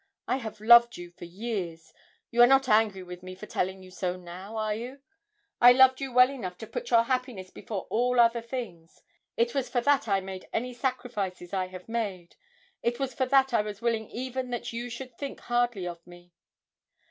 I have loved you for years you are not angry with me for telling you so now, are you? I loved you well enough to put your happiness before all other things; it was for that I made any sacrifices I have made; it was for that I was willing even that you should think hardly of me.'